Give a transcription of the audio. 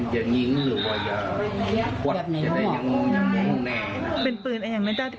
อย่างญิงหรือว่าอย่างหงูแหง